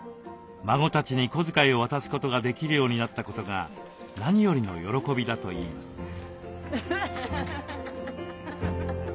孫たちに小遣いを渡すことができるようになったことが何よりの喜びだといいます。